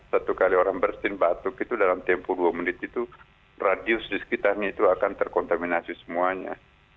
satu kali orang bersin batuk itu dalam tempo dua menit itu radius di sekitarnya itu akan terkontaminasi semuanya